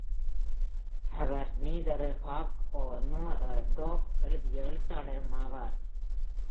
Our ‘Neither a Hawk Nor a Dove’ எழுதிய எழுத்தாளரும் ஆவார்.